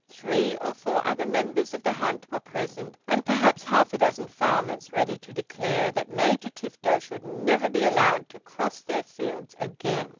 Three or four other members of the hunt were present, and perhaps half a dozen farmers, ready to declare that Major Tifto should never be allowed to cross their fields again.